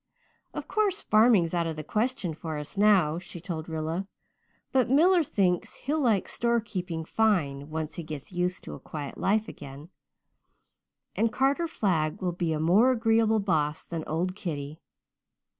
"Of course farming's out of the question for us now," she told Rilla, "but Miller thinks he'll like storekeeping fine once he gets used to a quiet life again, and Carter Flagg will be a more agreeable boss than old Kitty.